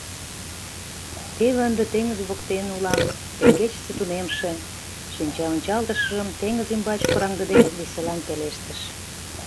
Теве ынде теҥыз воктен улам, — теҥгечысе тунемше, шинчаончалтышыжым теҥыз ӱмбач кораҥдыде, веселан пелештыш.